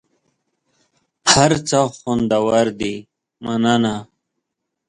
هر څه خوندور دي مننه .